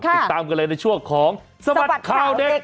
ติดตามกันเลยในช่วงของสบัดข่าวเด็ก